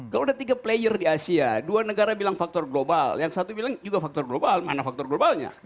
kalau ada tiga player di asia dua negara bilang faktor global yang satu bilang juga faktor global mana faktor globalnya